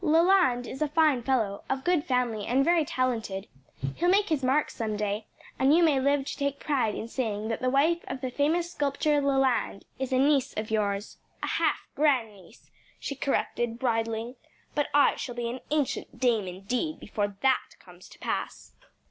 "Leland is a fine fellow, of good family, and very talented. He'll make his mark some day, and you may live to take pride in saying that the wife of the famous sculptor Leland is a niece of yours." "A half grandniece," she corrected, bridling. "But I shall be an ancient dame indeed before that comes to pass."